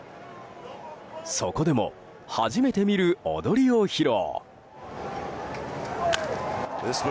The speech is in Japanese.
そこでも初めて見る踊りを披露。